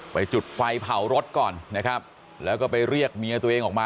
จุดไฟเผารถก่อนนะครับแล้วก็ไปเรียกเมียตัวเองออกมา